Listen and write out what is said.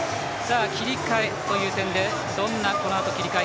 切り替えという点でどんなこのあと切り替え。